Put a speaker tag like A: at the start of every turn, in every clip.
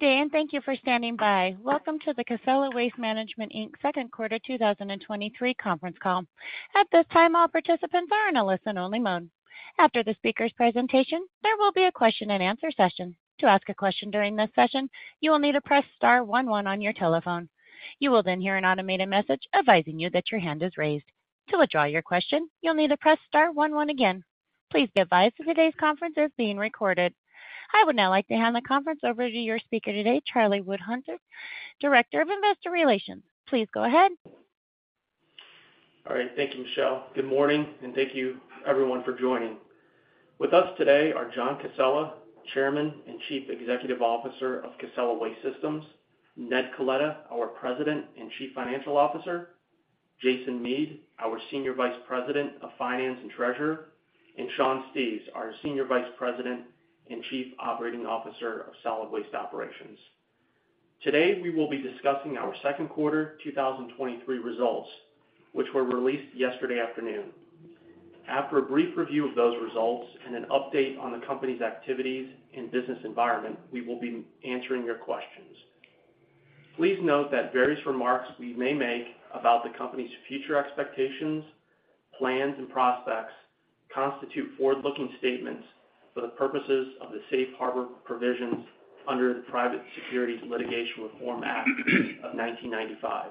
A: Good day. Thank you for standing by. Welcome to the Casella Waste Systems, Inc., Second Quarter 2023 Conference Call. At this time, all participants are in a listen-only mode. After the speaker's presentation, there will be a question-and-answer session. To ask a question during this session, you will need to press star one one on your telephone. You will then hear an automated message advising you that your hand is raised. To withdraw your question, you'll need to press star one one again. Please be advised that today's conference is being recorded. I would now like to hand the conference over to your speaker today, Charlie Wohlhuter, Director of Investor Relations. Please go ahead.
B: All right. Thank you, Michelle. Good morning. Thank you everyone for joining. With us today are John Casella, Chairman and Chief Executive Officer of Casella Waste Systems, Ned Coletta, our President and Chief Financial Officer, Jason Mead, our Senior Vice President of Finance and Treasurer, and Sean Steves, our Senior Vice President and Chief Operating Officer of Solid Waste Operations. Today, we will be discussing our second quarter 2023 results, which were released yesterday afternoon. After a brief review of those results and an update on the company's activities and business environment, we will be answering your questions. Please note that various remarks we may make about the company's future expectations, plans, and prospects constitute forward-looking statements for the purposes of the Safe Harbor Provisions under the Private Securities Litigation Reform Act of 1995.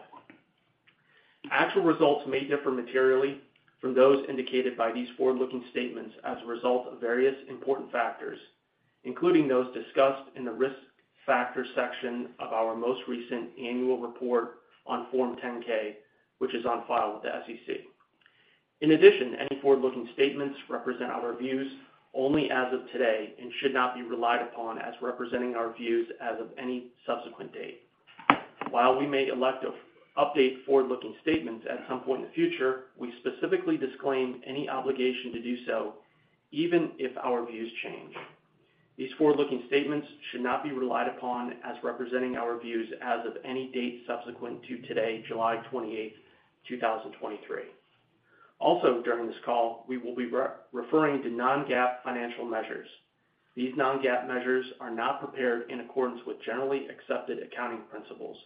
B: Actual results may differ materially from those indicated by these forward-looking statements as a result of various important factors, including those discussed in the risk factors section of our most recent annual report on Form 10-K, which is on file with the SEC. In addition, any forward-looking statements represent our views only as of today and should not be relied upon as representing our views as of any subsequent date. While we may elect to update forward-looking statements at some point in the future, we specifically disclaim any obligation to do so, even if our views change. These forward-looking statements should not be relied upon as representing our views as of any date subsequent to today, July 28, 2023. Also, during this call, we will be referring to non-GAAP financial measures. These non-GAAP measures are not prepared in accordance with generally accepted accounting principles.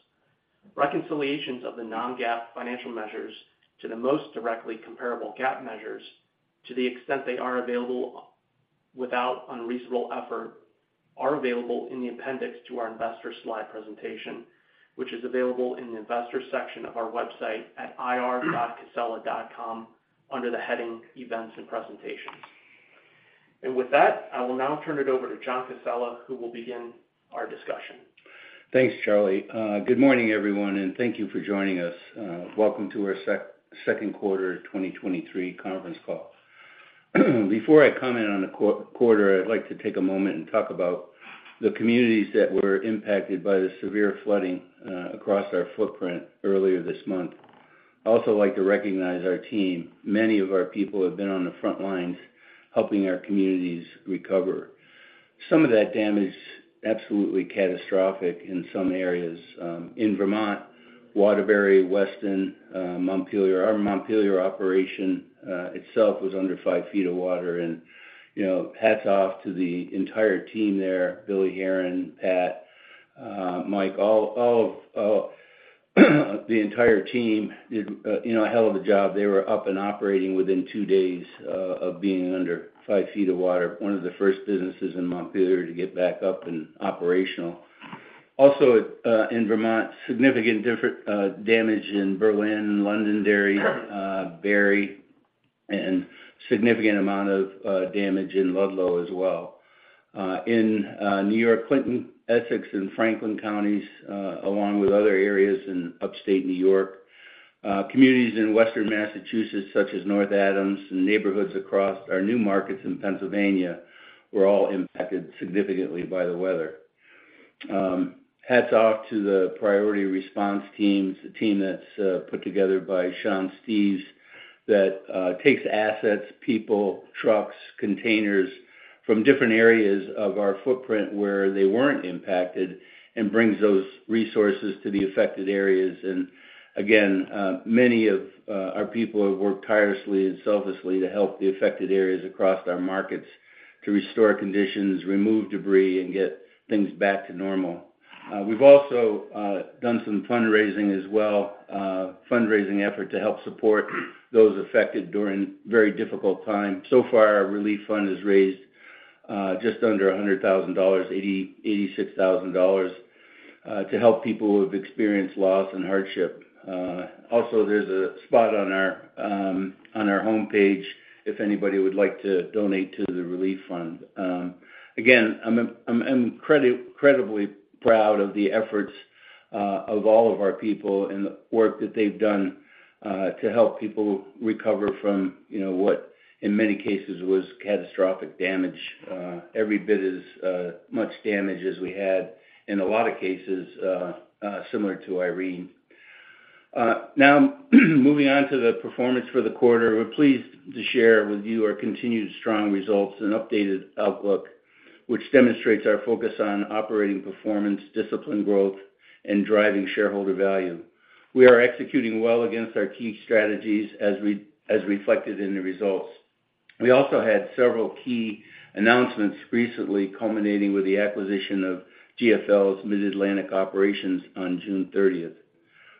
B: Reconciliations of the non-GAAP financial measures to the most directly comparable GAAP measures, to the extent they are available without unreasonable effort, are available in the appendix to our investor slide presentation, which is available in the Investors section of our website at ir.casella.com, under the heading Events and Presentations. With that, I will now turn it over to John Casella, who will begin our discussion.
C: Thanks, Charlie. Good morning, everyone, and thank you for joining us. Welcome to our second quarter 2023 conference call. Before I comment on the quarter, I'd like to take a moment and talk about the communities that were impacted by the severe flooding across our footprint earlier this month. I'd also like to recognize our team. Many of our people have been on the front lines, helping our communities recover. Some of that damage, absolutely catastrophic in some areas. In Vermont, Waterbury, Weston, Montpelier. Our Montpelier operation, itself was under 5 feet of water. You know, hats off to the entire team there, Billy Heron, Pat, Mike, all, all of the entire team did, you know, a hell of a job. They were up and operating within 2 days of being under 5 feet of water, one of the first businesses in Montpelier to get back up and operational. Also, in Vermont, significant damage in Berlin, Londonderry, Barre, significant amount of damage in Ludlow as well. In New York, Clinton, Essex, and Franklin counties, along with other areas in upstate New York, communities in Western Massachusetts, such as North Adams and neighborhoods across our new markets in Pennsylvania, were all impacted significantly by the weather. Hats off to the priority response teams, the team that's put together by Sean Steeves, that takes assets, people, trucks, containers from different areas of our footprint where they weren't impacted and brings those resources to the affected areas. Again, many of our people have worked tirelessly and selflessly to help the affected areas across our markets, to restore conditions, remove debris, and get things back to normal. We've also done some fundraising as well, fundraising effort to help support those affected during very difficult time. So far, our relief fund has raised just under $100,000, $86,000, to help people who have experienced loss and hardship. Also, there's a spot on our on our homepage if anybody would like to donate to the relief fund. Again, I'm, I'm, I'm incredibly proud of the efforts of all of our people and the work that they've done to help people recover from, you know, what, in many cases, was catastrophic damage. Every bit as much damage as we had in a lot of cases, similar to Irene. Moving on to the performance for the quarter. We're pleased to share with you our continued strong results and updated outlook, which demonstrates our focus on operating performance, disciplined growth, and driving shareholder value. We are executing well against our key strategies as reflected in the results. We also had several key announcements recently, culminating with the acquisition of GFL's Mid-Atlantic operations on June 30th.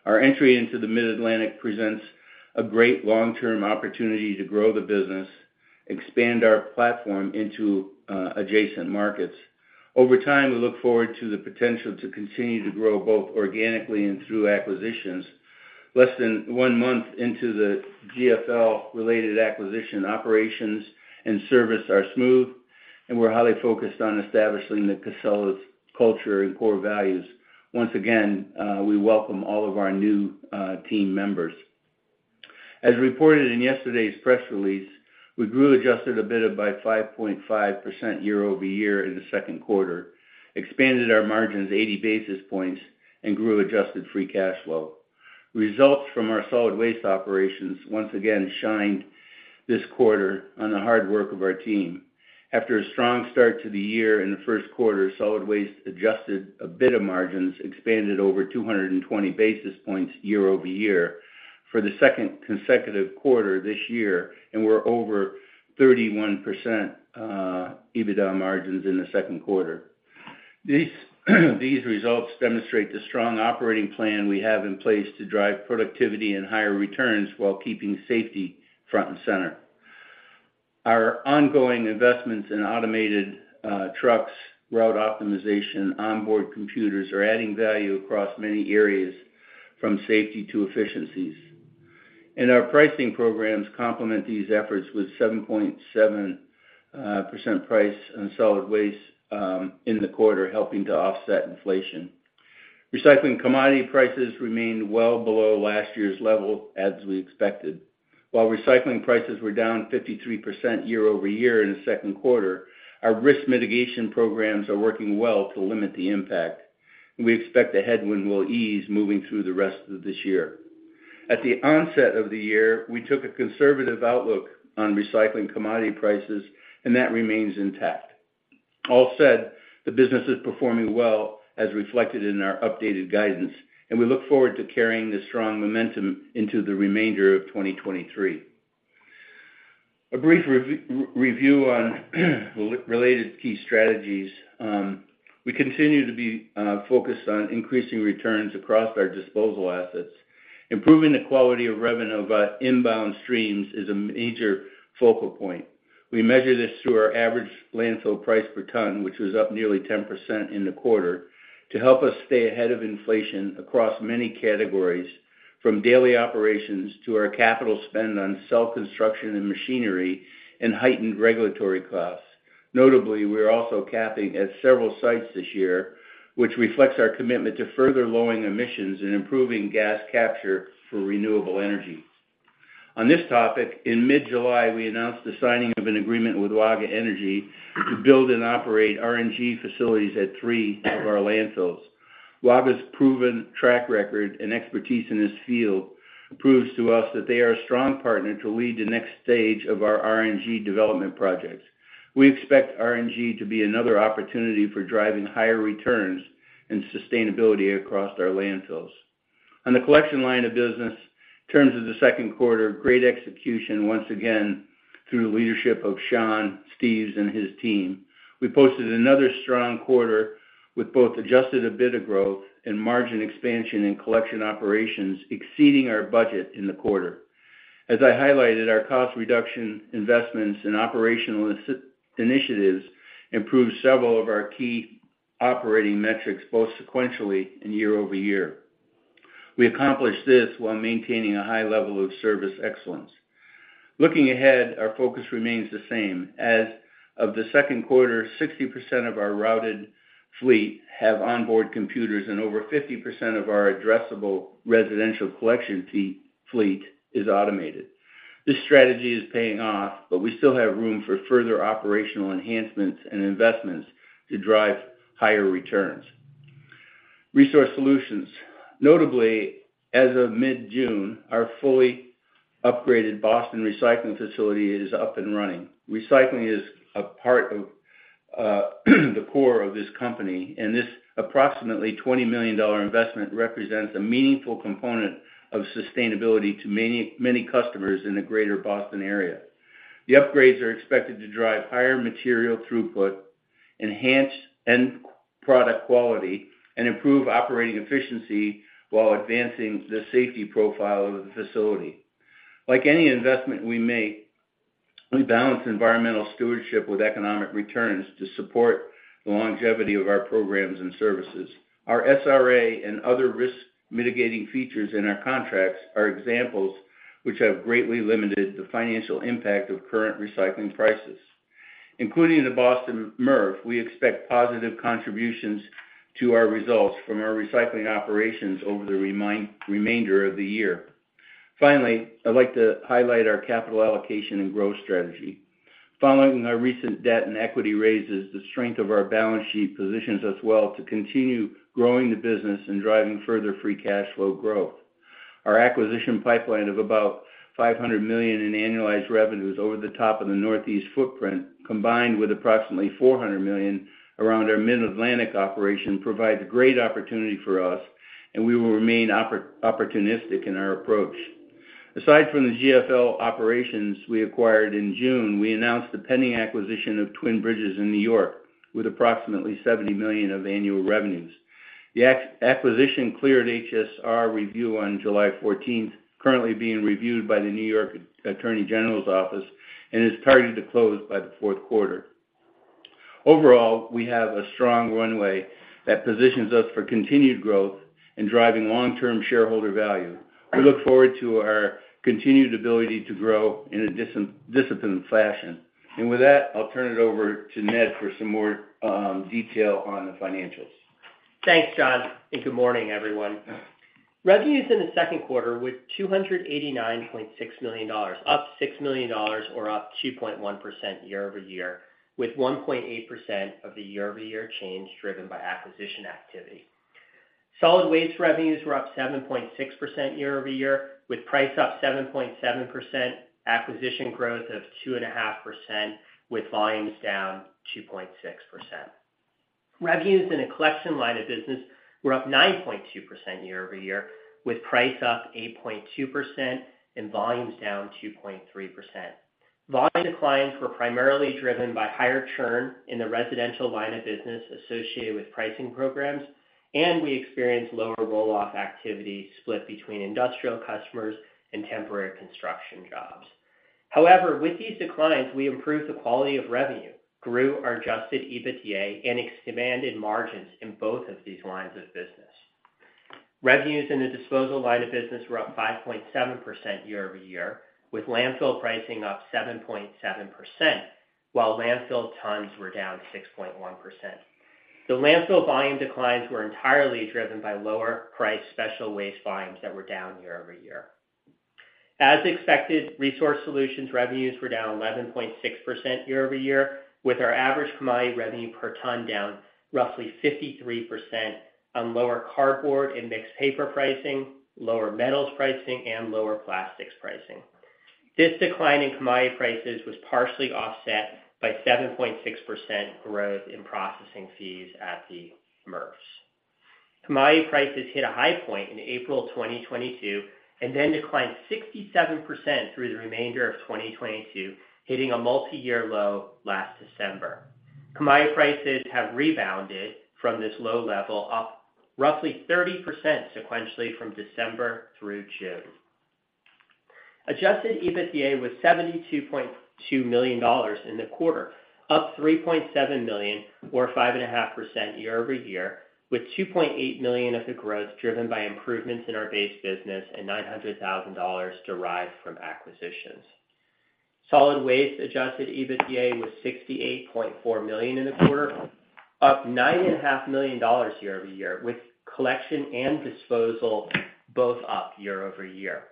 C: Our entry into the Mid-Atlantic presents a great long-term opportunity to grow the business, expand our platform into adjacent markets. Over time, we look forward to the potential to continue to grow both organically and through acquisitions. Less than one month into the GFL-related acquisition, operations and service are smooth, and we're highly focused on establishing the Casella's culture and core values. Once again, we welcome all of our new team members. As reported in yesterday's press release, we grew Adjusted EBITDA by 5.5% year-over-year in the second quarter, expanded our margins 80 basis points, and grew Adjusted Free Cash Flow. Results from our solid waste operations once again shined this quarter on the hard work of our team. After a strong start to the year in the first quarter, solid waste Adjusted EBITDA margins expanded over 220 basis points year-over-year for the second consecutive quarter this year, and we're over 31%, EBITDA margins in the second quarter. These, these results demonstrate the strong operating plan we have in place to drive productivity and higher returns while keeping safety front and center. Our ongoing investments in automated trucks, route optimization, onboard computers, are adding value across many areas, from safety to efficiencies. Our pricing programs complement these efforts with 7.7% price on solid waste in the quarter, helping to offset inflation. Recycling commodity prices remained well below last year's level, as we expected. While recycling prices were down 53% year-over-year in the second quarter, our risk mitigation programs are working well to limit the impact. We expect the headwind will ease moving through the rest of this year. At the onset of the year, we took a conservative outlook on recycling commodity prices, and that remains intact. All said, the business is performing well, as reflected in our updated guidance, and we look forward to carrying this strong momentum into the remainder of 2023. A brief review on, related key strategies. We continue to be focused on increasing returns across our disposal assets. Improving the quality of revenue of our inbound streams is a major focal point. We measure this through our average landfill price per ton, which was up nearly 10% in the quarter, to help us stay ahead of inflation across many categories, from daily operations to our capital spend on cell construction and machinery and heightened regulatory costs. Notably, we are also capping at several sites this year, which reflects our commitment to further lowering emissions and improving gas capture for renewable energy. On this topic, in mid-July, we announced the signing of an agreement with Waga Energy to build and operate RNG facilities at three of our landfills. Waga's proven track record and expertise in this field proves to us that they are a strong partner to lead the next stage of our RNG development projects. We expect RNG to be another opportunity for driving higher returns and sustainability across our landfills. On the collection line of business, in terms of the second quarter, great execution once again, through the leadership of Sean Steves and his team. We posted another strong quarter with both Adjusted EBITDA growth and margin expansion in collection operations exceeding our budget in the quarter. As I highlighted, our cost reduction investments and operational initiatives improved several of our key operating metrics, both sequentially and year-over-year. We accomplished this while maintaining a high level of service excellence. Looking ahead, our focus remains the same. As of the second quarter, 60% of our routed fleet have onboard computers, and over 50% of our addressable residential collection fleet is automated. This strategy is paying off. We still have room for further operational enhancements and investments to drive higher returns. Resource solutions. Notably, as of mid-June, our fully upgraded Boston Recycling facility is up and running. Recycling is a part of the core of this company. This approximately $20 million investment represents a meaningful component of sustainability to many, many customers in the greater Boston area. The upgrades are expected to drive higher material throughput, enhance end product quality, and improve operating efficiency while advancing the safety profile of the facility. Like any investment we make, we balance environmental stewardship with economic returns to support the longevity of our programs and services. Our SRA and other risk mitigating features in our contracts are examples which have greatly limited the financial impact of current recycling prices. Including the Boston MRF, we expect positive contributions to our results from our recycling operations over the remainder of the year. I'd like to highlight our capital allocation and growth strategy. Following our recent debt and equity raises, the strength of our balance sheet positions us well to continue growing the business and driving further free cash flow growth. Our acquisition pipeline of about $500 million in annualized revenues over the top of the Northeast footprint, combined with approximately $400 million around our Mid-Atlantic operation, provides great opportunity for us. We will remain opportunistic in our approach. Aside from the GFL operations we acquired in June, we announced the pending acquisition of Twin Bridges in New York, with approximately $70 million of annual revenues. The acquisition cleared HSR review on July 14th, currently being reviewed by the New York Attorney General's office, and is targeted to close by the fourth quarter. Overall, we have a strong runway that positions us for continued growth and driving long-term shareholder value. We look forward to our continued ability to grow in a disciplined, disciplined fashion. With that, I'll turn it over to Ned for some more detail on the financials.
D: Thanks, John. Good morning, everyone. Revenues in the second quarter were $289.6 million, up $6 million or up 2.1% year-over-year, with 1.8% of the year-over-year change driven by acquisition activity. Solid waste revenues were up 7.6% year-over-year, with price up 7.7%, acquisition growth of 2.5%, with volumes down 2.6%. Revenues in the collection line of business were up 9.2% year-over-year, with price up 8.2% and volumes down 2.3%. Volume declines were primarily driven by higher churn in the residential line of business associated with pricing programs. We experienced lower roll-off activity split between industrial customers and temporary construction jobs. With these declines, we improved the quality of revenue, grew our Adjusted EBITDA, and expanded margins in both of these lines of business. Revenues in the disposal line of business were up 5.7% year-over-year, with landfill pricing up 7.7%, while landfill tons were down 6.1%. The landfill volume declines were entirely driven by lower-priced special waste volumes that were down year-over-year. As expected, Resource Solutions revenues were down 11.6% year-over-year, with our average commodity revenue per ton down roughly 53% on lower cardboard and mixed paper pricing, lower metals pricing, and lower plastics pricing. This decline in commodity prices was partially offset by 7.6% growth in processing fees at the MRFs. Commodity prices hit a high point in April 2022, and then declined 67% through the remainder of 2022, hitting a multiyear low last December. Commodity prices have rebounded from this low level, up roughly 30% sequentially from December through June. Adjusted EBITDA was $72.2 million in the quarter, up $3.7 million or 5.5% year-over-year, with $2.8 million of the growth driven by improvements in our base business and $900,000 derived from acquisitions. Solid waste Adjusted EBITDA was $68.4 million in the quarter, up $9.5 million year-over-year, with collection and disposal both up year-over-year.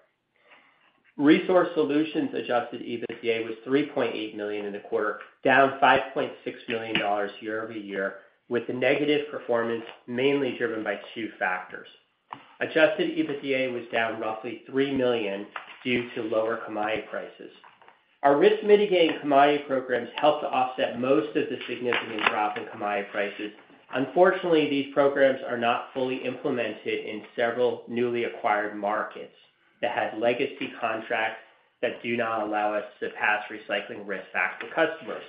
D: Resource Solutions Adjusted EBITDA was $3.8 million in the quarter, down $5.6 million year-over-year, with the negative performance mainly driven by two factors. Adjusted EBITDA was down roughly $3 million due to lower commodity prices. Our risk mitigating commodity programs helped to offset most of the significant drop in commodity prices. Unfortunately, these programs are not fully implemented in several newly acquired markets that had legacy contracts that do not allow us to pass recycling risk back to customers.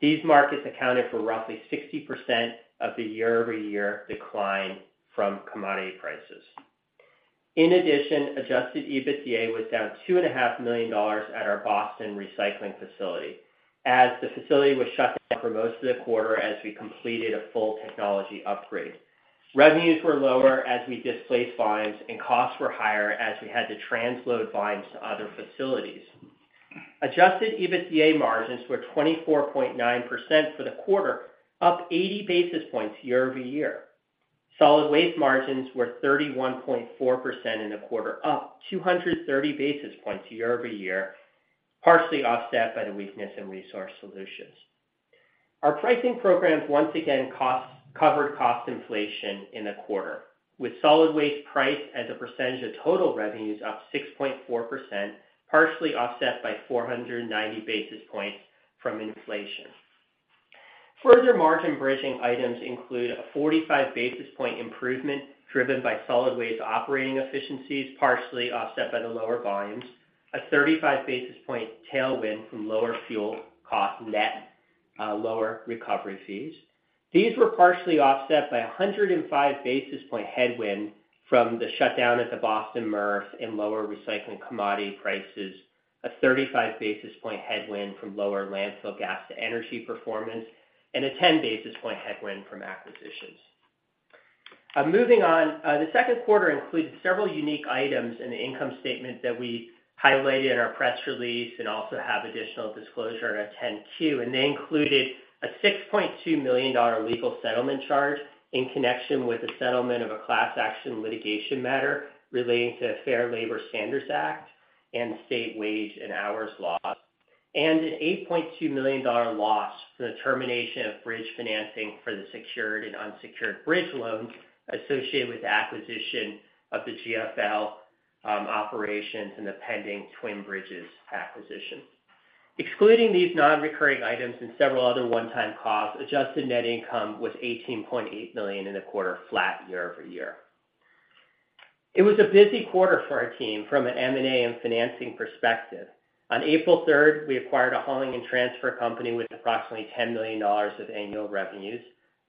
D: These markets accounted for roughly 60% of the year-over-year decline from commodity prices. Adjusted EBITDA was down $2.5 million at our Boston Recycling facility, as the facility was shut down for most of the quarter as we completed a full technology upgrade. Revenues were lower as we displaced volumes, and costs were higher as we had to transload volumes to other facilities. Adjusted EBITDA margins were 24.9% for the quarter, up 80 basis points year-over-year. Solid waste margins were 31.4% in the quarter, up 230 basis points year-over-year, partially offset by the weakness in Resource Solutions. Our pricing programs, once again, covered cost inflation in the quarter, with solid waste price as a percentage of total revenues up 6.4%, partially offset by 490 basis points from inflation. Further margin bridging items include a 45 basis point improvement, driven by solid waste operating efficiencies, partially offset by the lower volumes. A 35 basis point tailwind from lower fuel cost, net, lower recovery fees. These were partially offset by a 105 basis point headwind from the shutdown at the Boston MRF and lower recycling commodity prices, a 35 basis point headwind from lower landfill gas to energy performance, and a 10 basis point headwind from acquisitions. Moving on, the second quarter included several unique items in the income statement that we highlighted in our press release and also have additional disclosure in our 10-Q. They included a $6.2 million legal settlement charge in connection with the settlement of a class action litigation matter relating to the Fair Labor Standards Act and state wage and hours laws, and an $8.2 million loss for the termination of bridge financing for the secured and unsecured bridge loans associated with the acquisition of the GFL operations and the pending Twin Bridges acquisition. Excluding these non-recurring items and several other one-time costs, adjusted net income was $18.8 million in the quarter, flat year-over-year. It was a busy quarter for our team from an M&A and financing perspective. On April 3rd, we acquired a hauling and transfer company with approximately $10 million of annual revenues.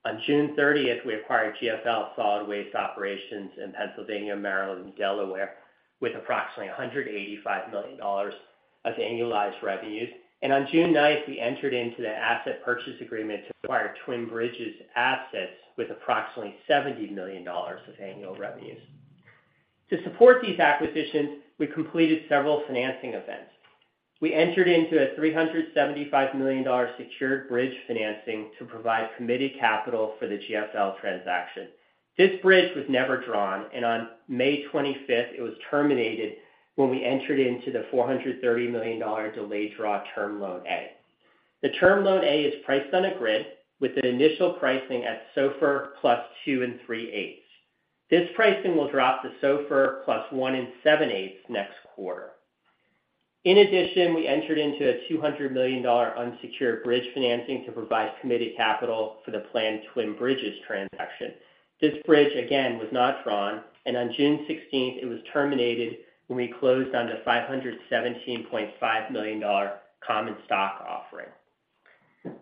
D: On June 30th, we acquired GFL Solid Waste operations in Pennsylvania, Maryland, and Delaware, with approximately $185 million of annualized revenues. On June 9th, we entered into the asset purchase agreement to acquire Twin Bridges assets with approximately $70 million of annual revenues. To support these acquisitions, we completed several financing events. We entered into a $375 million secured bridge financing to provide committed capital for the GFL transaction. This bridge was never drawn, and on May 25th, it was terminated when we entered into the $430 million delayed draw Term Loan A. The Term Loan A is priced on a grid with an initial pricing at SOFR plus 2.375. This pricing will drop to SOFR plus one and seven-eighths next quarter. In addition, we entered into a $200 million unsecured bridge financing to provide committed capital for the planned Twin Bridges transaction. This bridge, again, was not drawn. On June 16th, it was terminated when we closed on the $517.5 million common stock offering.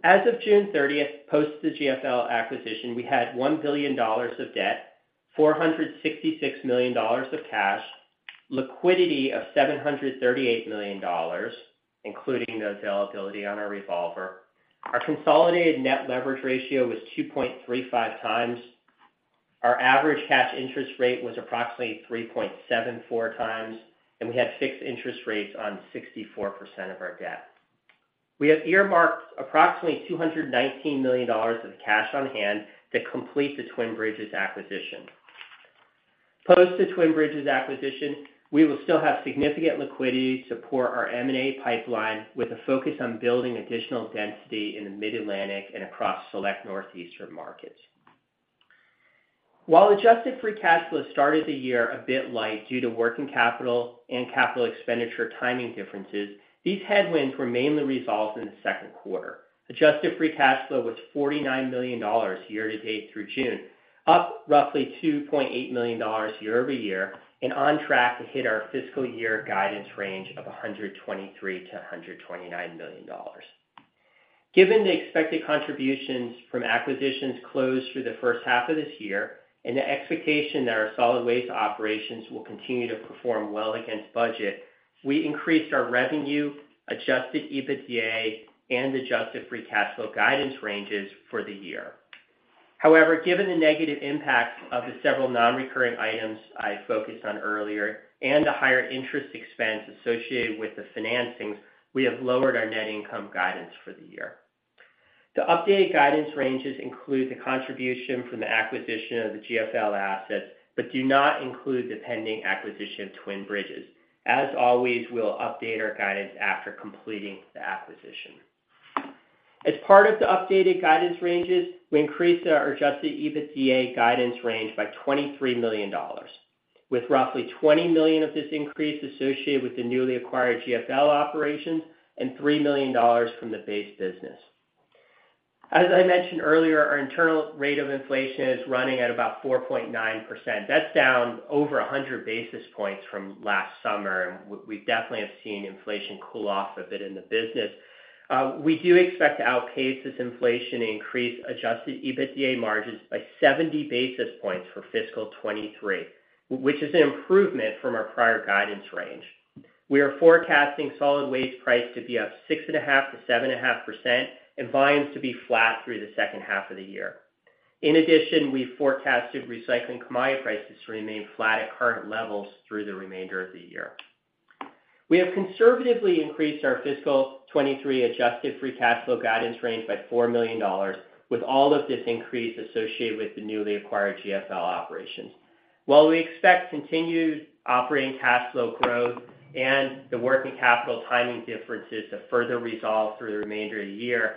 D: As of June 30th, post the GFL acquisition, we had $1 billion of debt, $466 million of cash, liquidity of $738 million, including the availability on our revolver. Our consolidated net leverage ratio was 2.35x. Our average cash interest rate was approximately 3.74x. We had fixed interest rates on 64% of our debt. We have earmarked approximately $219 million of cash on hand to complete the Twin Bridges acquisition. Post the Twin Bridges acquisition, we will still have significant liquidity to support our M&A pipeline, with a focus on building additional density in the Mid-Atlantic and across select Northeastern markets. While Adjusted Free Cash Flow started the year a bit light due to working capital and capital expenditure timing differences, these headwinds were mainly resolved in the second quarter. Adjusted Free Cash Flow was $49 million year-to-date through June, up roughly $2.8 million year-over-year and on track to hit our fiscal year guidance range of $123 million-$129 million. Given the expected contributions from acquisitions closed through the first half of this year and the expectation that our solid waste operations will continue to perform well against budget, we increased our revenue, Adjusted EBITDA, and Adjusted Free Cash Flow guidance ranges for the year. However, given the negative impact of the several non-recurring items I focused on earlier and the higher interest expense associated with the financings, we have lowered our net income guidance for the year. The updated guidance ranges include the contribution from the acquisition of the GFL assets, but do not include the pending acquisition of Twin Bridges. As always, we'll update our guidance after completing the acquisition. As part of the updated guidance ranges, we increased our Adjusted EBITDA guidance range by $23 million, with roughly $20 million of this increase associated with the newly acquired GFL operations and $3 million from the base business. As I mentioned earlier, our internal rate of inflation is running at about 4.9%. That's down over 100 basis points from last summer, and we, we definitely have seen inflation cool off a bit in the business. We do expect to outpace this inflation and increase Adjusted EBITDA margins by 70 basis points for fiscal 2023, which is an improvement from our prior guidance range. We are forecasting solid waste price to be up 6.5%-7.5% and volumes to be flat through the second half of the year. In addition, we forecasted recycling commodity prices to remain flat at current levels through the remainder of the year. We have conservatively increased our fiscal 2023 Adjusted Free Cash Flow guidance range by $4 million, with all of this increase associated with the newly acquired GFL operations. While we expect continued operating cash flow growth and the working capital timing differences to further resolve through the remainder of the year,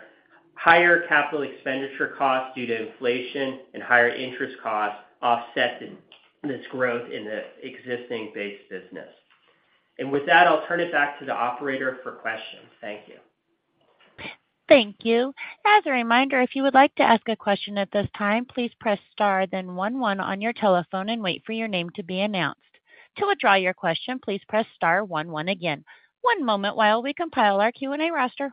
D: higher capital expenditure costs due to inflation and higher interest costs offsetting this growth in the existing base business. With that, I'll turn it back to the operator for questions. Thank you.
A: Thank you. As a reminder, if you would like to ask a question at this time, please press star, then one one on your telephone and wait for your name to be announced. To withdraw your question, please press star one one again. One moment while we compile our Q&A roster.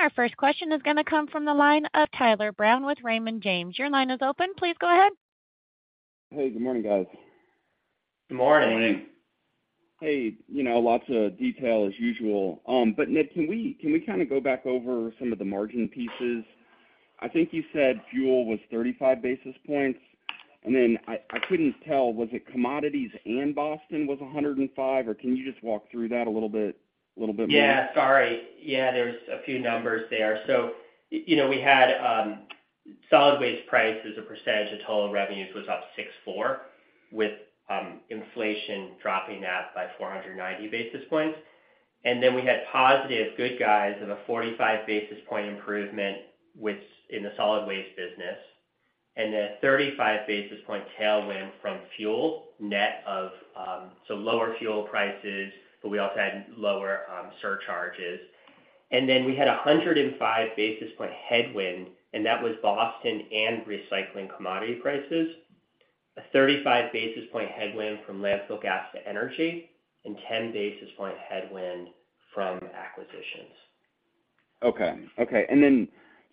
A: Our first question is gonna come from the line of Tyler Brown with Raymond James. Your line is open. Please go ahead.
E: Hey, good morning, guys.
D: Good morning.
A: Good morning.
E: Hey, you know, lots of detail as usual. Nick, can we, can we kind of go back over some of the margin pieces? I think you said fuel was 35 basis points, and then I, I couldn't tell, was it commodities and Boston was 105? Can you just walk through that a little bit, a little bit more?
D: Yeah, sorry. Yeah, there's a few numbers there. You know, we had solid waste price as a percentage of total revenues was up 6.4, with inflation dropping that by 490 basis points. We had positive good guys of a 45 basis point improvement, which in the solid waste business. 35 basis point tailwind from fuel, net of so lower fuel prices, but we also had lower surcharges. We had a 105 basis point headwind, and that was Boston and recycling commodity prices. A 35 basis point headwind from landfill gas to energy, and 10 basis point headwind from acquisitions.
E: Okay. Okay, then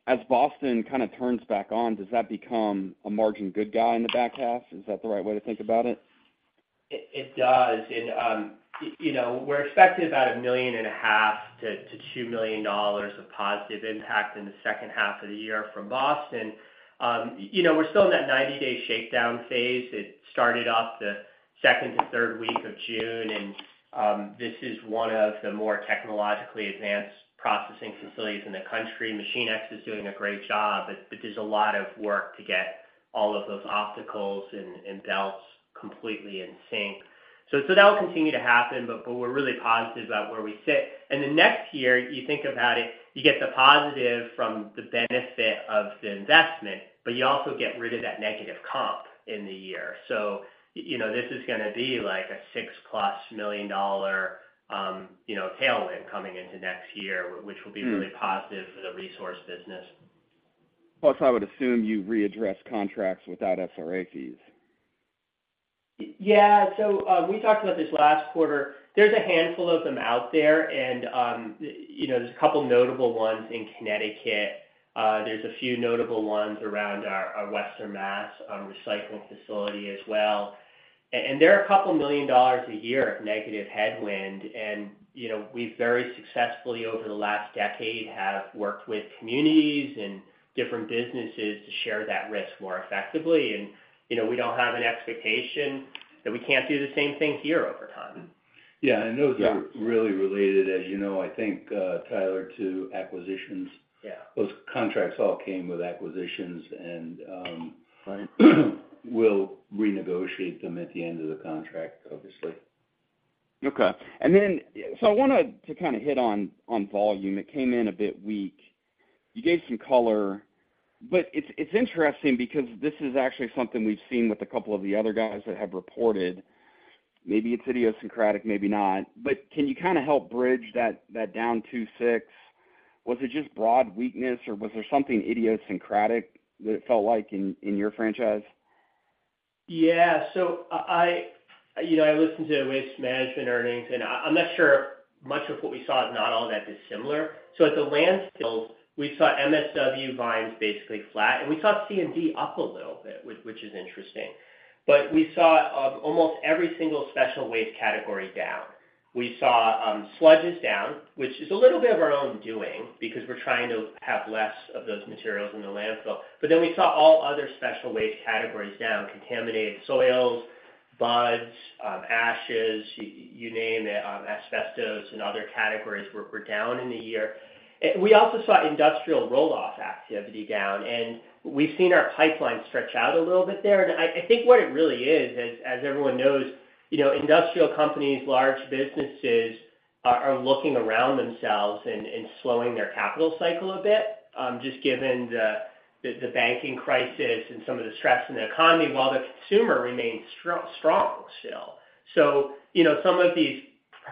E: as Boston kind of turns back on, does that become a margin good guy in the back half? Is that the right way to think about it?
D: It, it does. You know, we're expecting about $1.5 million-$2 million of positive impact in the second half of the year from Boston. You know, we're still in that 90-day shakedown phase. It started off the second to third week of June, and this is one of the more technologically advanced processing facilities in the country. Machinex is doing a great job, but, but there's a lot of work to get all of those obstacles and, and belts completely in sync. That will continue to happen, but, but we're really positive about where we sit. The next year, you think about it, you get the positive from the benefit of the investment, but you also get rid of that negative comp in the year. you know, this is gonna be like a $6+ million, you know, tailwind coming into next year, which will be.
E: Hmm
D: really positive for the resource business.
E: Plus, I would assume you readdress contracts without SRA fees.
D: Yeah. We talked about this last quarter. There's a handful of them out there, and, you know, there's a couple notable ones in Connecticut. There's a few notable ones around our, our Western Mass, recycling facility as well. And there are $2 million a year of negative headwind, and, you know, we've very successfully, over the last decade, have worked with communities and different businesses to share that risk more effectively. You know, we don't have an expectation that we can't do the same thing here over time.
F: Yeah, those are-
E: Yeah...
F: really related, as you know, I think, Tyler, to acquisitions.
D: Yeah.
F: Those contracts all came with acquisitions, and.
D: Right
F: we'll renegotiate them at the end of the contract, obviously.
E: I wanted to kind of hit on volume. It came in a bit weak. You gave some color, it's interesting because this is actually something we've seen with a couple of the other guys that have reported. Maybe it's idiosyncratic, maybe not. Can you kind of help bridge that down 2.6? Was it just broad weakness, or was there something idiosyncratic that it felt like in your franchise?
D: Yeah. I, I, you know, I listened to Waste Management earnings, and I, I'm not sure much of what we saw is not all that dissimilar. At the landfills, we saw MSW volumes basically flat, and we saw C&D up a little bit, which, which is interesting. We saw almost every single special waste category down. We saw sludges down, which is a little bit of our own doing because we're trying to have less of those materials in the landfill. We saw all other special waste categories down: contaminated soils, sludges, ashes, you name it, asbestos and other categories were, were down in the year. We also saw industrial roll-off activity down, and we've seen our pipeline stretch out a little bit there. I, I think what it really is, as, as everyone knows, you know, industrial companies, large businesses, are, are looking around themselves and, and slowing their capital cycle a bit, just given the, the, the banking crisis and some of the stress in the economy, while the consumer remains strong still. You know, some of these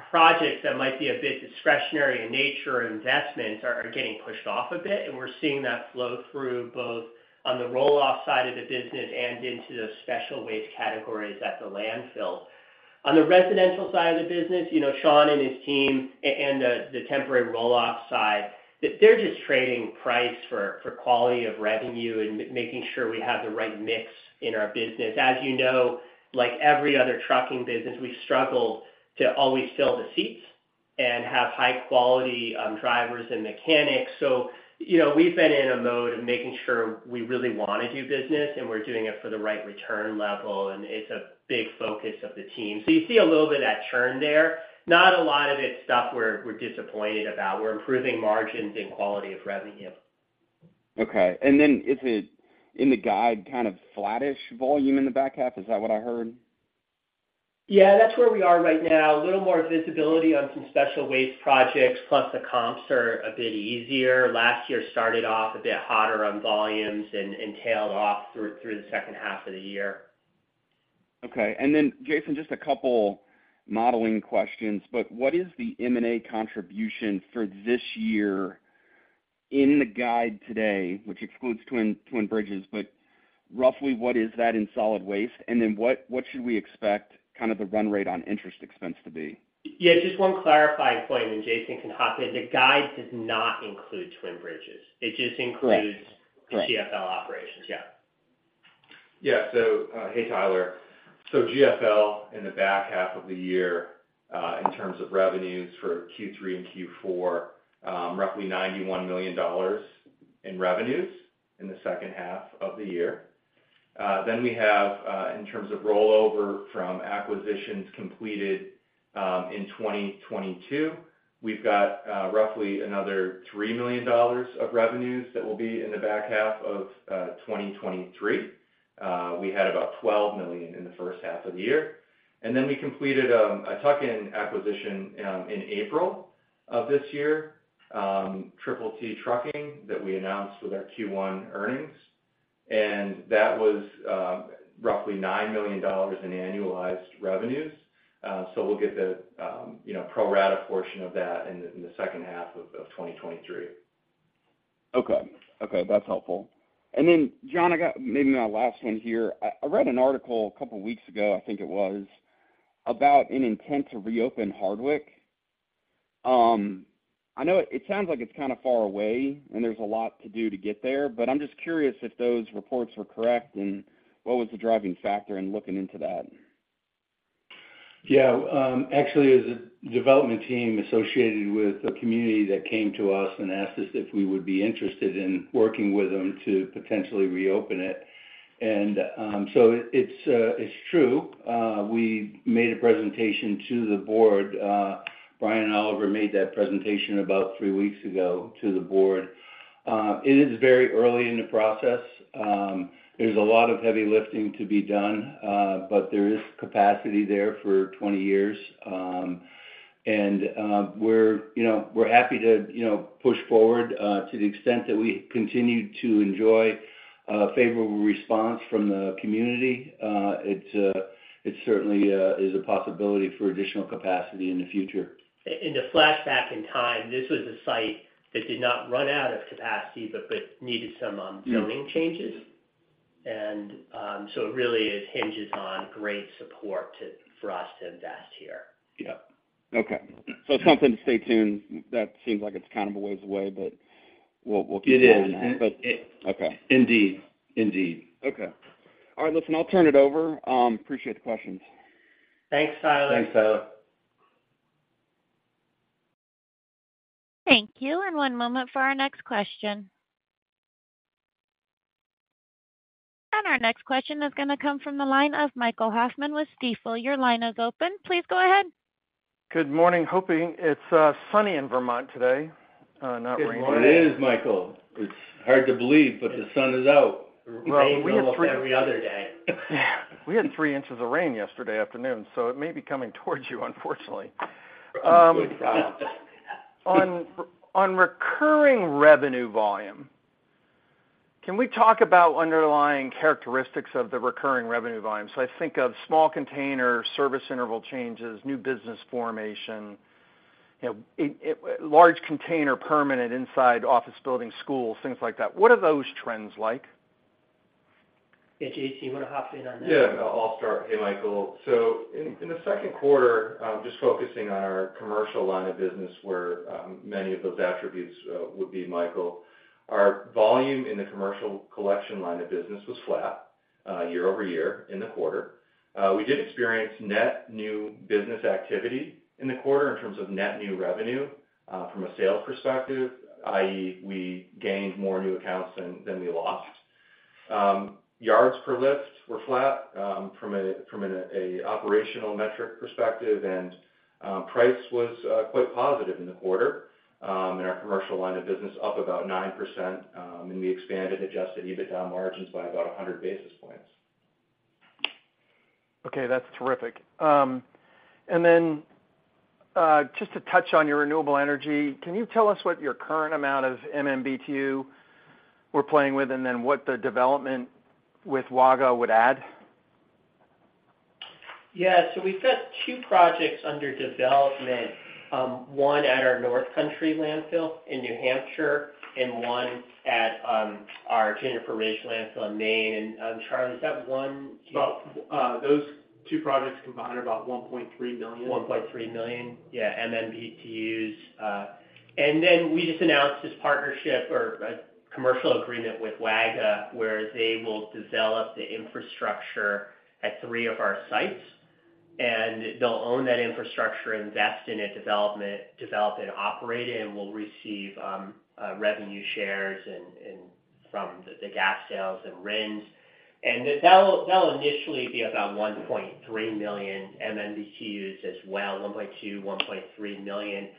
D: projects that might be a bit discretionary in nature or investments are, are getting pushed off a bit, and we're seeing that flow through both on the roll-off side of the business and into the special waste categories at the landfill. On the residential side of the business, you know, Sean and his team, and the, the temporary roll-off side, they're just trading price for, for quality of revenue and making sure we have the right mix in our business. As you know, like every other trucking business, we struggle to always fill the seats and have high quality drivers and mechanics. You know, we've been in a mode of making sure we really wanna do business, and we're doing it for the right return level, and it's a big focus of the team. You see a little bit of that churn there. Not a lot of it's stuff we're, we're disappointed about. We're improving margins and quality of revenue.
E: Okay. Then is it, in the guide, kind of flattish volume in the back half? Is that what I heard?
D: Yeah, that's where we are right now. A little more visibility on some special waste projects, plus the comps are a bit easier. Last year started off a bit hotter on volumes and, and tailed off through, through the second half of the year.
E: Okay. Then, Jason, just a two modeling questions. What is the M&A contribution for this year in the guide today, which excludes Twin, Twin Bridges? Roughly, what is that in solid waste? Then what, what should we expect kind of the run rate on interest expense to be?
D: Yeah, just one clarifying point, and Jason can hop in. The guide does not include Twin Bridges. It just includes-
F: Correct. Correct....
D: the GFL operations. Yeah.
F: Yeah. Hey, Tyler. GFL, in the back half of the year, in terms of revenues for Q3 and Q4, roughly $91 million in revenues in the second half of the year. We have, in terms of rollover from acquisitions completed, in 2022, we've got roughly another $3 million of revenues that will be in the back half of 2023. We had about $12 million in the first half of the year. We completed a tuck-in acquisition in April of this year, Triple T Trucking, that we announced with our Q1 earnings. That was roughly $9 million in annualized revenues. We'll get the, you know, pro rata portion of that in the second half of 2023.
E: Okay. Okay, that's helpful. Then, John, I got maybe my last one here. I, I read an article a couple of weeks ago, I think it was, about an intent to reopen Hardwick. I know it, it sounds like it's kind of far away, and there's a lot to do to get there, but I'm just curious if those reports were correct, and what was the driving factor in looking into that?
C: Yeah, actually, it was a development team associated with a community that came to us and asked us if we would be interested in working with them to potentially reopen it. So it's, it's true. We made a presentation to the board. Brian Oliver made that presentation about three weeks ago to the board. It is very early in the process. There's a lot of heavy lifting to be done, but there is capacity there for 20 years. We're, you know, we're happy to, you know, push forward, to the extent that we continue to enjoy, favorable response from the community. It's, it certainly, is a possibility for additional capacity in the future.
D: To flash back in time, this was a site that did not run out of capacity, but, but needed some zoning changes.
C: Mm-hmm.
D: So it really, it hinges on great support for us to invest here.
C: Yeah.
E: Okay. Something to stay tuned. That seems like it's kind of a ways away, but we'll, we'll keep an eye on that.
C: It is.
E: Okay.
C: Indeed. Indeed.
E: Okay. All right, listen, I'll turn it over. Appreciate the questions.
D: Thanks, Tyler.
C: Thanks, Tyler.
A: Thank you. One moment for our next question. Our next question is going to come from the line of Michael Hoffman with Stifel. Your line is open. Please go ahead.
G: Good morning. Hoping it's sunny in Vermont today, not raining.
C: Good morning, it is Michael. It's hard to believe, but the sun is out.
D: It rains almost every other day.
G: We had 3 inches of rain yesterday afternoon, so it may be coming towards you, unfortunately. On, on recurring revenue volume, can we talk about underlying characteristics of the recurring revenue volume? I think of small container, service interval changes, new business formation, you know, large container, permanent inside office buildings, schools, things like that. What are those trends like?
D: Yeah, JT, you want to hop in on that?
F: Yeah, I'll start. Hey, Michael. In the second quarter, just focusing on our commercial line of business, where many of those attributes would be, Michael, our volume in the commercial collection line of business was flat year-over-year in the quarter. We did experience net new business activity in the quarter in terms of net new revenue from a sales perspective, i.e., we gained more new accounts than we lost. Yards per lift were flat from an operational metric perspective, and price was quite positive in the quarter in our commercial line of business, up about 9%, and we expanded Adjusted EBITDA margins by about 100 basis points.
G: Okay, that's terrific. Just to touch on your renewable energy, can you tell us what your current amount of MMBtu we're playing with, and then what the development with Waga would add?
D: Yeah. We've got two projects under development, one at our North Country landfill in New Hampshire and one at, our Juniper Ridge landfill in Maine. Charlie, is that one-
F: Well, those two projects combined are about $1.3 million.
D: 1.3 million MMBtus. Then we just announced this partnership or a commercial agreement with Waga, where they will develop the infrastructure at three of our sites, and they'll own that infrastructure, invest in it, develop and operate it, and we'll receive revenue shares and from the gas sales and rents. That'll initially be about 1.3 million MMBtus as well, 1.2-1.3 million.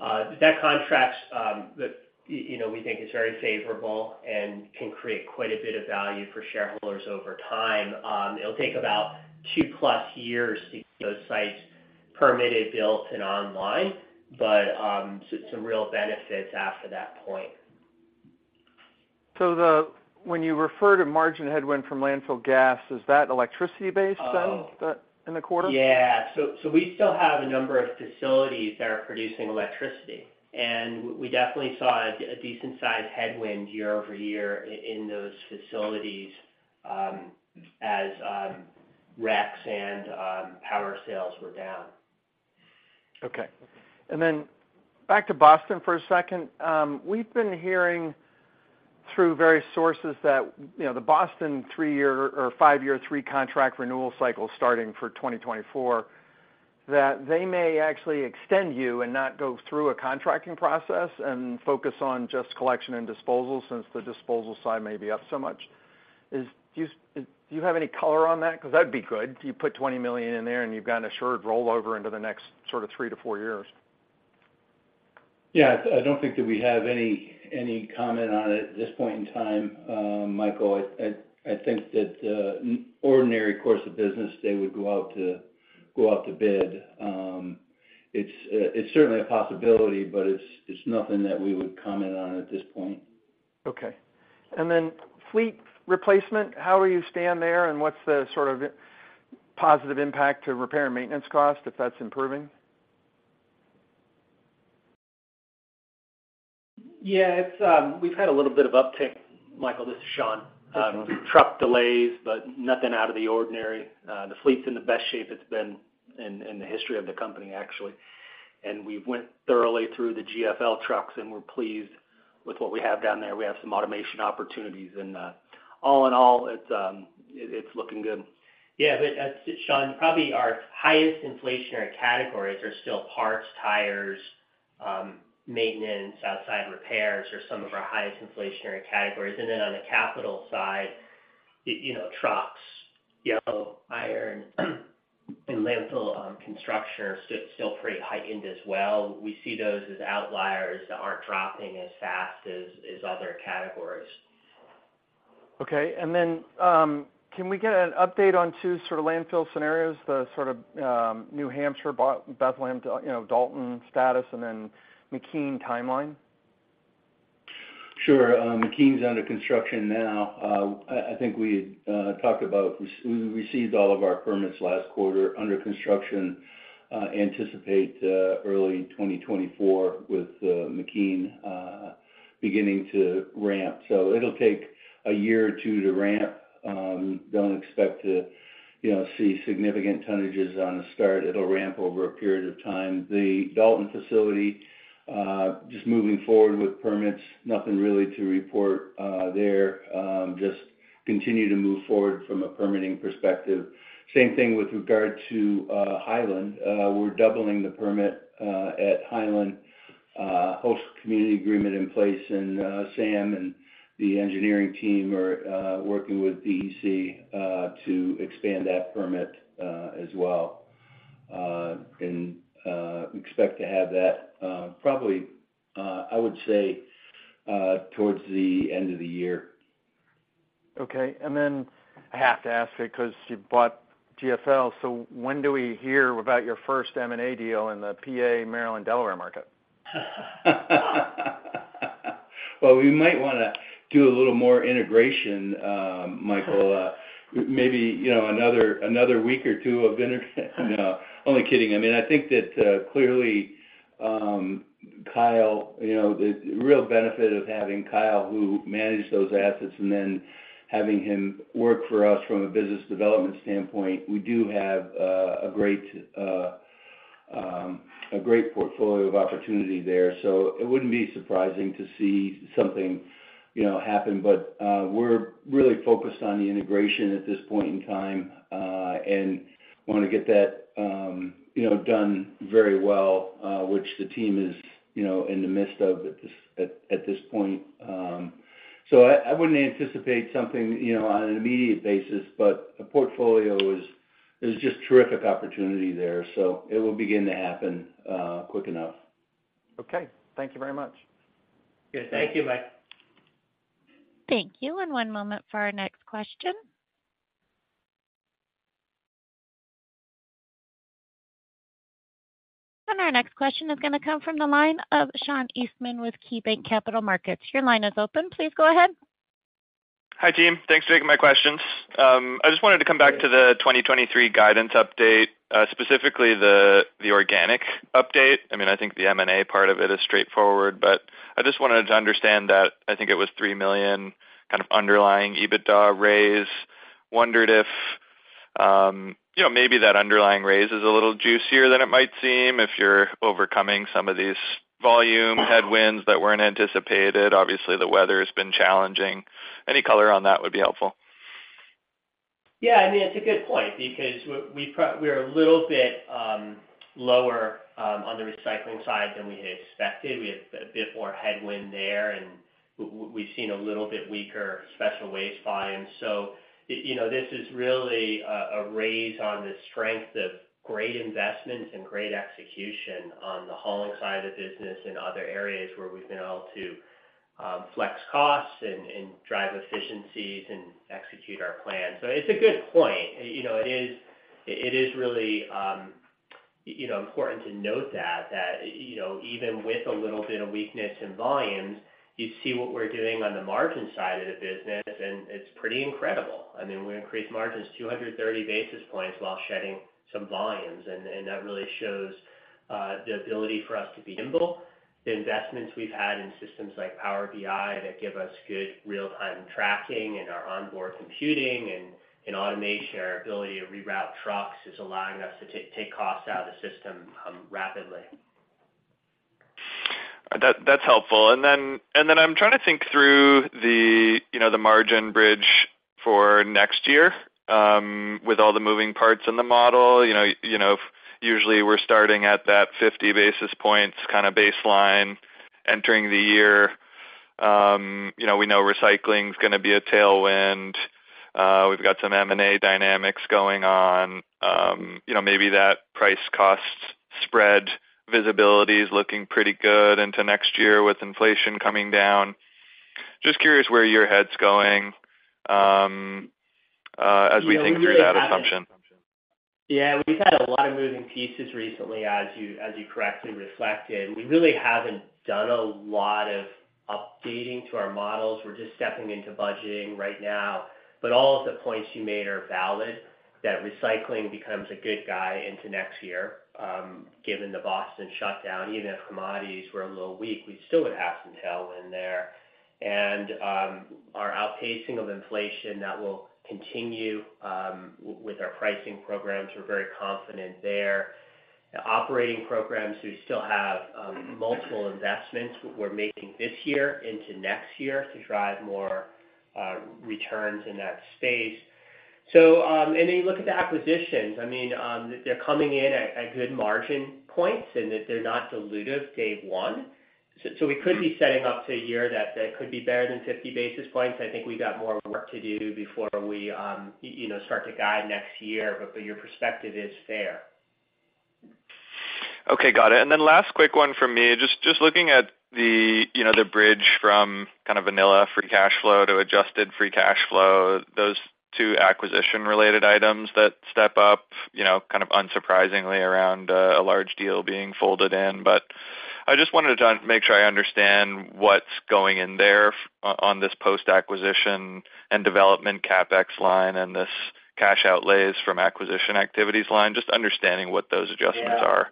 D: That contracts, you know, we think is very favorable and can create quite a bit of value for shareholders over time. It'll take about two plus years to get those sites permitted, built, and online, but some real benefits after that point.
G: When you refer to margin headwind from landfill gas, is that electricity-based?
D: Oh.
G: in the quarter?
D: Yeah. We still have a number of facilities that are producing electricity, and we definitely saw a decent-sized headwind year-over-year in those facilities, as RECs and power sales were down.
G: Okay. Back to Boston for a second. We've been hearing through various sources that, you know, the Boston three-year or five-year three contract renewal cycle starting for 2024, that they may actually extend you and not go through a contracting process and focus on just collection and disposal since the disposal side may be up so much. Do you, do you have any color on that? That'd be good. You put $20 million in there, and you've got an assured rollover into the next sort of three to four years.
C: Yeah, I, I don't think that we have any, any comment on it at this point in time, Michael. I, I, I think that in ordinary course of business, they would go out to, go out to bid. It's, it's certainly a possibility, but it's, it's nothing that we would comment on at this point.
G: Okay. Fleet replacement, how are you stand there, and what's the sort of positive impact to repair and maintenance cost, if that's improving?
H: Yeah, it's, we've had a little bit of uptick, Michael, this is Sean.
G: Sure.
H: Truck delays, nothing out of the ordinary. The fleet's in the best shape it's been in, in the history of the company, actually. We've went thoroughly through the GFL trucks, and we're pleased with what we have down there. We have some automation opportunities, and, all in all, it's looking good.
D: Yeah, Sean, probably our highest inflationary categories are still parts, tires, maintenance, outside repairs are some of our highest inflationary categories. Then on the capital side, you know, trucks, yellow iron, and landfill construction are still, still pretty heightened as well. We see those as outliers that aren't dropping as fast as, as other categories.
G: Okay. Can we get an update on two sort of landfill scenarios, the sort of, New Hampshire, Bethlehem, you know, Dalton status, and then McKean timeline?
C: Sure. McKean's under construction now. I, I think we talked about, we, we received all of our permits last quarter, under construction, anticipate early 2024 with McKean beginning to ramp. It'll take one or two years to ramp. Don't expect to, you know, see significant tonnages on the start. It'll ramp over a period of time. The Dalton facility, just moving forward with permits, nothing really to report there. Just continue to move forward from a permitting perspective. Same thing with regard to Highland. We're doubling the permit at Highland, host community agreement in place, and Sam and the engineering team are working with DEC to expand that permit as well. We expect to have that, probably, I would say, towards the end of the year.
G: Okay. Then I have to ask it, 'cause you bought GFL, so when do we hear about your first M&A deal in the PA, Maryland, Delaware market?
C: Well, we might wanna do a little more integration, Michael, maybe, you know, another, another week or two of inter- No, only kidding. I mean, I think that, clearly, Kyle, you know, the real benefit of having Kyle, who managed those assets, and then having him work for us from a business development standpoint, we do have, a great portfolio of opportunity there. So it wouldn't be surprising to see something, you know, happen. But, we're really focused on the integration at this point in time, and wanna get that, you know, done very well, which the team is, you know, in the midst of at this point. I, I wouldn't anticipate something, you know, on an immediate basis, but the portfolio is. There's just terrific opportunity there, so it will begin to happen quick enough.
G: Okay. Thank you very much.
C: Yeah. Thank you, Mike.
A: Thank you. One moment for our next question. Our next question is gonna come from the line of Sean Eastman with KeyBanc Capital Markets. Your line is open. Please go ahead.
I: Hi, team. Thanks for taking my questions. I just wanted to come back to the 2023 guidance update, specifically the organic update. I mean, I think the M&A part of it is straightforward, but I just wanted to understand that, I think it was $3 million kind of underlying EBITDA raise. Wondered if, you know, maybe that underlying raise is a little juicier than it might seem, if you're overcoming some of these volume headwinds that weren't anticipated. Obviously, the weather has been challenging. Any color on that would be helpful?
D: Yeah, I mean, it's a good point because we're a little bit lower on the recycling side than we had expected. We have a bit more headwind there, and we've seen a little bit weaker special waste volumes. You know, this is really a raise on the strength of great investments and great execution on the hauling side of the business and other areas where we've been able to flex costs and drive efficiencies and execute our plan. It's a good point. You know, it is, it is really, you know, important to note that, that, you know, even with a little bit of weakness in volumes, you see what we're doing on the margin side of the business, and it's pretty incredible. I mean, we increased margins 230 basis points while shedding some volumes, and, and that really shows the ability for us to be nimble. The investments we've had in systems like Power BI that give us good real-time tracking and our onboard computing and, and automation, our ability to reroute trucks is allowing us to take, take costs out of the system rapidly.
I: That, that's helpful. Then, and then I'm trying to think through the, you know, the margin bridge for next year, with all the moving parts in the model. You know, you know, usually we're starting at that 50 basis points kind of baseline entering the year. You know, we know recycling is gonna be a tailwind. We've got some M&A dynamics going on. You know, maybe that price cost spread visibility is looking pretty good into next year with inflation coming down. Just curious where your head's going, as we think through that assumption?
D: Yeah, we've had a lot of moving pieces recently, as you, as you correctly reflected. We really haven't done a lot of updating to our models. We're just stepping into budgeting right now. All of the points you made are valid, that recycling becomes a good guy into next year, given the Boston shutdown, even if commodities were a little weak, we still would have some tailwind there. Our outpacing of inflation, that will continue with our pricing programs. We're very confident there. The operating programs, we still have multiple investments we're making this year into next year to drive more returns in that space. Then you look at the acquisitions. I mean, they're coming in at good margin points, and they're not dilutive, day one. We could be setting up to a year that, that could be better than 50 basis points. I think we got more work to do before we, you know, start to guide next year, but, but your perspective is fair.
I: Okay, got it. Then last quick one for me. Just, just looking at the, you know, the bridge from kind of vanilla free cash flow to Adjusted Free Cash Flow, those two acquisition-related items that step up, you know, kind of unsurprisingly around a large deal being folded in. I just wanted to make sure I understand what's going in there on this post-acquisition and development CapEx line and this cash outlays from acquisition activities line. Just understanding what those adjustments are.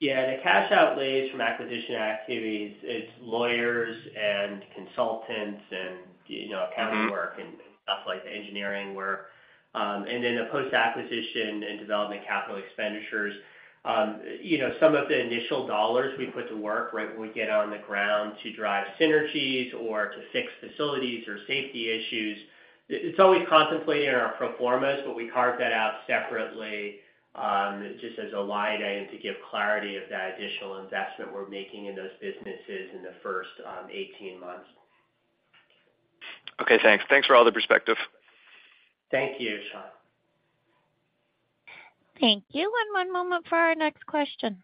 D: Yeah. The cash outlays from acquisition activities, it's lawyers and consultants and, you know, accounting work and stuff like the engineering work. Then the post-acquisition and development capital expenditures. You know, some of the initial dollars we put to work, right, when we get on the ground to drive synergies or to fix facilities or safety issues, it's always contemplated in our pro forma, but we carve that out separately, just as a line item to give clarity of that additional investment we're making in those businesses in the first, 18 months.
I: Okay, thanks. Thanks for all the perspective.
D: Thank you, Sean.
A: Thank you. One more moment for our next question.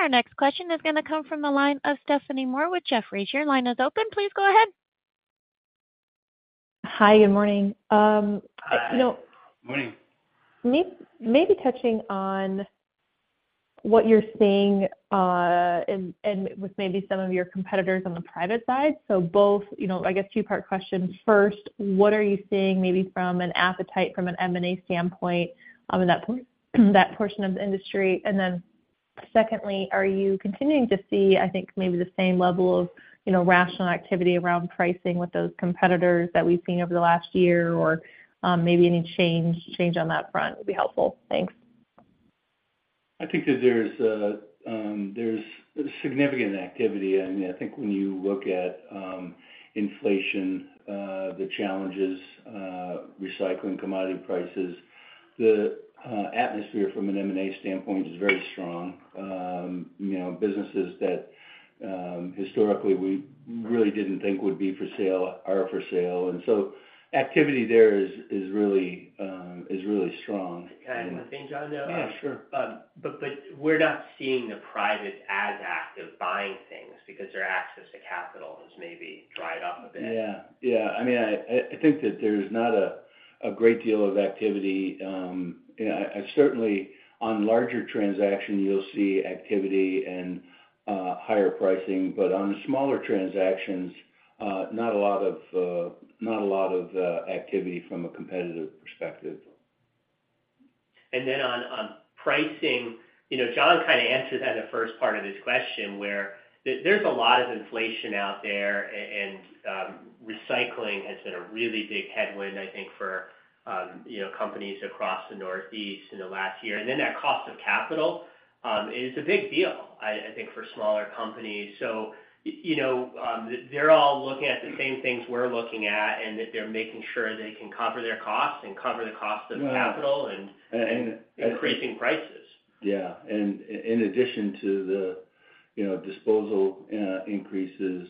A: Our next question is gonna come from the line of Stephanie Moore with Jefferies. Your line is open. Please go ahead.
J: Hi, good morning.
D: Hi. Morning.
J: Maybe touching on what you're seeing, and, and with maybe some of your competitors on the private side. Both, you know, I guess two-part question. First, what are you seeing maybe from an appetite, from an M&A standpoint, in that, that portion of the industry? Then secondly, are you continuing to see, I think, maybe the same level of, you know, rational activity around pricing with those competitors that we've seen over the last year, or, maybe any change, change on that front would be helpful? Thanks.
C: I think that there's there's significant activity. I mean, I think when you look at inflation, the challenges, recycling commodity prices, the atmosphere from an M&A standpoint is very strong. You know, businesses that historically we really didn't think would be for sale, are for sale. So activity there is, is really, is really strong.
D: Can I add one thing, John?
C: Yeah, sure.
D: We're not seeing the private as active buying things because their access to capital has maybe dried up a bit.
C: Yeah. Yeah. I mean, I, I think that there's not a, a great deal of activity. Certainly on larger transactions, you'll see activity and higher pricing, but on smaller transactions, not a lot of, not a lot of, activity from a competitive perspective.
D: On, on pricing, you know, John kind of answered that in the first part of this question, where there, there's a lot of inflation out there, and, and, recycling has been a really big headwind, I think, for, you know, companies across the Northeast in the last year. That cost of capital, is a big deal, I, I think, for smaller companies. You know, they're all looking at the same things we're looking at, and that they're making sure they can cover their costs and cover the cost of capital.
C: And, and-
D: increasing prices.
C: Yeah. In addition to the, you know, disposal, increases,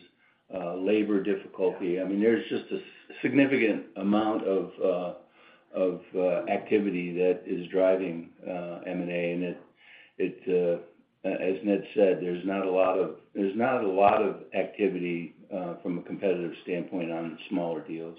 C: labor difficulty, I mean, there's just a significant amount of activity that is driving M&A, and it, it, as Ned said, there's not a lot of activity from a competitive standpoint on the smaller deals.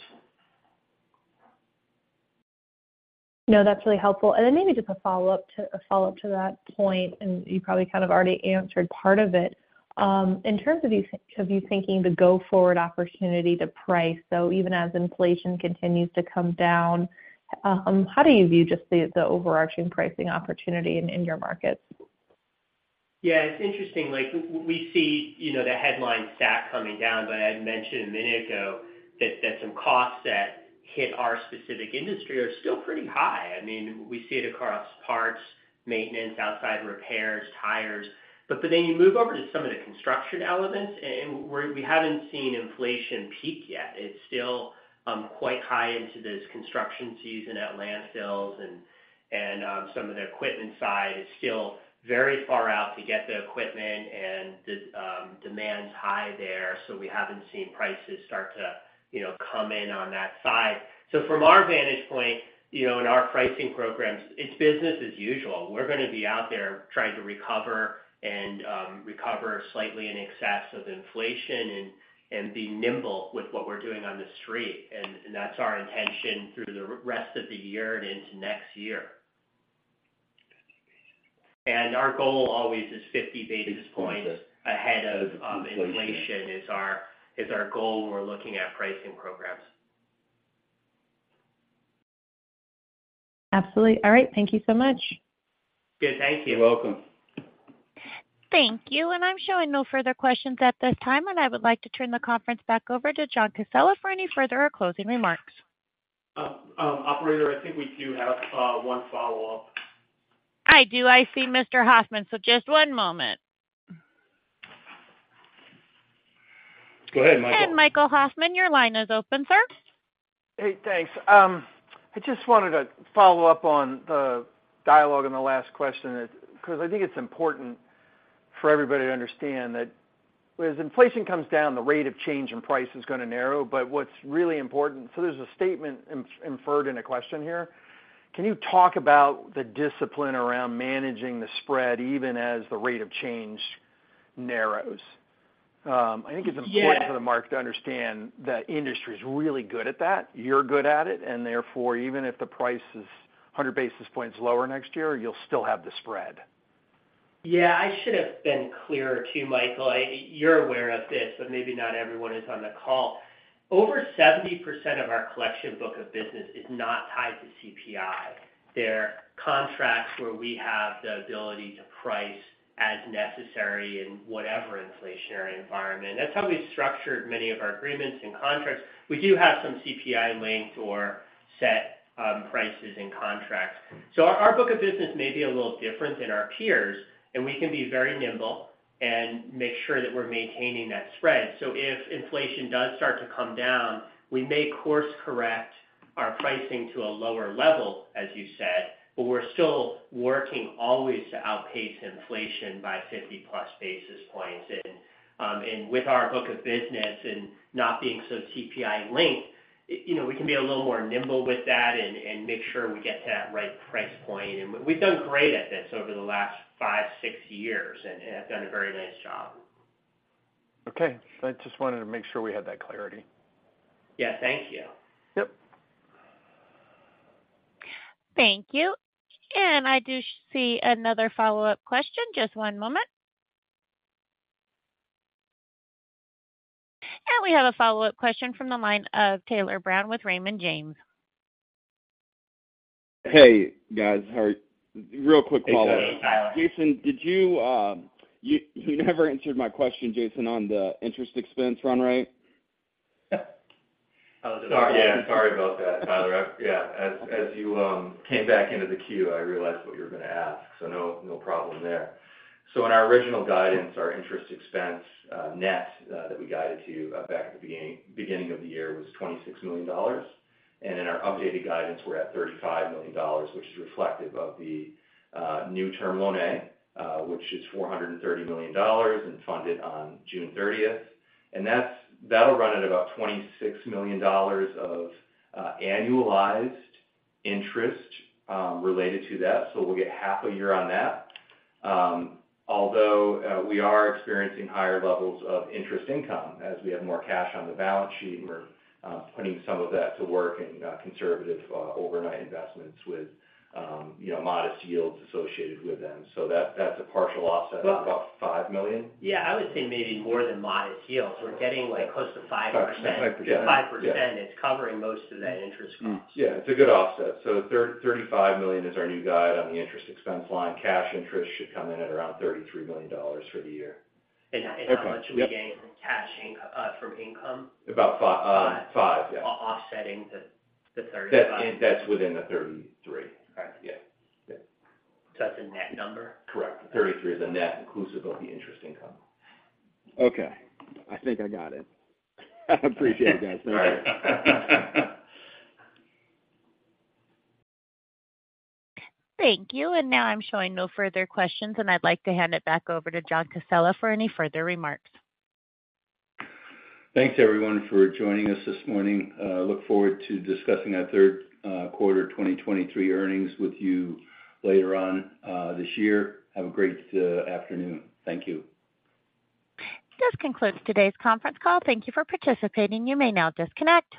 J: No, that's really helpful. Then maybe just a follow-up to, a follow-up to that point, and you probably kind of already answered part of it. In terms of you, of you thinking the go-forward opportunity to price, so even as inflation continues to come down, how do you view just the, the overarching pricing opportunity in, in your markets?
D: Yeah, it's interesting. Like, we see, you know, the headline stat coming down, but I mentioned a minute ago that, that some costs that hit our specific industry are still pretty high. I mean, we see it across parts, maintenance, outside repairs, tires. Then you move over to some of the construction elements, and we haven't seen inflation peak yet. It's still quite high into this construction season at landfills, and some of the equipment side is still very far out to get the equipment and the demand's high there, we haven't seen prices start to, you know, come in on that side. From our vantage point, you know, in our pricing programs, it's business as usual. We're gonna be out there trying to recover and recover slightly in excess of inflation and be nimble with what we're doing on the street. That's our intention through the rest of the year and into next year. Our goal always is 50 basis points ahead of inflation, is our goal when we're looking at pricing programs.
A: Absolutely. All right. Thank you so much.
D: Good. Thank you.
F: You're welcome.
A: Thank you. I'm showing no further questions at this time, and I would like to turn the conference back over to John Casella for any further or closing remarks.
C: Operator, I think we do have one follow-up.
A: I do. I see Mr. Hoffman, so just one moment.
G: Go ahead, Michael.
A: Michael Hoffman, your line is open, sir.
G: Hey, thanks. I just wanted to follow up on the dialogue in the last question, because I think it's important for everybody to understand that as inflation comes down, the rate of change in price is gonna narrow. What's really important... There's a statement inferred in a question here: Can you talk about the discipline around managing the spread, even as the rate of change narrows? I think it's important...
D: Yeah
G: for the market to understand that industry is really good at that. You're good at it, and therefore, even if the price is 100 basis points lower next year, you'll still have the spread.
D: Yeah, I should have been clearer, too, Michael. You're aware of this, but maybe not everyone is on the call. Over 70% of our collection book of business is not tied to CPI. They're contracts where we have the ability to price as necessary in whatever inflationary environment. That's how we've structured many of our agreements and contracts. We do have some CPI linked or set prices and contracts. Our book of business may be a little different than our peers, and we can be very nimble and make sure that we're maintaining that spread. If inflation does start to come down, we may course correct our pricing to a lower level, as you said, but we're still working always to outpace inflation by 50+ basis points. With our book of business and not being so CPI-linked, you know, we can be a little more nimble with that and, and make sure we get to that right price point. We've done great at this over the last five, six years and, and have done a very nice job.
G: Okay. I just wanted to make sure we had that clarity.
D: Yeah, thank you.
G: Yep.
A: Thank you. I do see another follow-up question. Just one moment. We have a follow-up question from the line of Tyler Brown with Raymond James.
E: Hey, guys. How are you? Real quick follow-up.
D: Hey, Tyler.
E: Jason, did you,... You, you never answered my question, Jason, on the interest expense run rate.
F: Oh, sorry. Yeah, sorry about that, Tyler. Yeah, as, as you came back into the queue, I realized what you were gonna ask, so no problem there. In our original guidance, our interest expense net that we guided to back at the beginning, beginning of the year was $26 million. In our updated guidance, we're at $35 million, which is reflective of the new Term Loan A, which is $430 million and funded on June 30th. That'll run at about $26 million of annualized interest related to that. We'll get half a year on that. Although we are experiencing higher levels of interest income as we have more cash on the balance sheet, we're putting some of that to work in conservative overnight investments with, you know, modest yields associated with them. That's a partial offset of about $5 million?
D: Yeah, I would say maybe more than modest yields. We're getting, like, close to 5%.
F: 5%, yeah.
D: 5% is covering most of that interest cost.
F: Yeah, it's a good offset. $35 million is our new guide on the interest expense line. Cash interest should come in at around $33 million for the year.
D: How much we gain from cash in from income?
F: About five, yeah.
D: Offsetting the, the 35.
F: That's within the 33.
D: Got it.
F: Yeah. Yeah.
D: That's a net number?
F: Correct. 33 is a net inclusive of the interest income.
E: Okay. I think I got it. I appreciate it, guys. Thank you.
A: Thank you. Now I'm showing no further questions, and I'd like to hand it back over to John Casella for any further remarks.
C: Thanks, everyone, for joining us this morning. Look forward to discussing our third quarter 2023 earnings with you later on this year. Have a great afternoon. Thank you.
A: This concludes today's conference call. Thank you for participating. You may now disconnect.